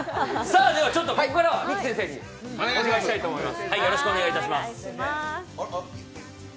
ここからは美樹先生にお願いしたいと思います。